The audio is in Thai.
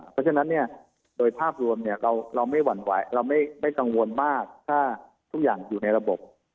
เพราะฉะนั้นเนี่ยโดยภาพรวมเราไม่หวั่นไหวเราไม่กังวลมากถ้าทุกอย่างอยู่ในระบบ